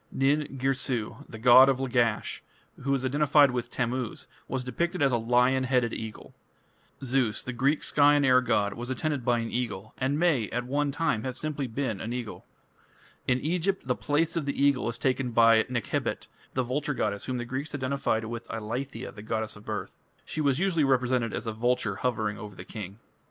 Nin Girsu, the god of Lagash, who was identified with Tammuz, was depicted as a lion headed eagle. Zeus, the Greek sky and air god, was attended by an eagle, and may, at one time, have been simply an eagle. In Egypt the place of the eagle is taken by Nekhebit, the vulture goddess whom the Greeks identified with "Eileithyia, the goddess of birth; she was usually represented as a vulture hovering over the king".